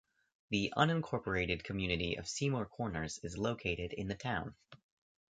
The unincorporated community of Seymour Corners is located in the town.